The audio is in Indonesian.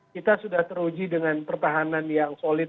kita sudah teruji dengan pertahanan yang solid